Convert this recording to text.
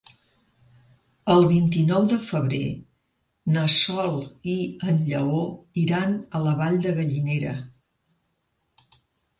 El vint-i-nou de febrer na Sol i en Lleó iran a la Vall de Gallinera.